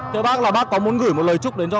theo bác là bác có muốn gửi một lời chúc đến cho